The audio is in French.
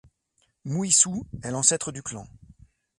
Mouissou est l'ancêtre du clan.